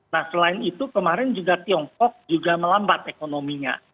nah selain itu kemarin juga tiongkok juga melambat ekonominya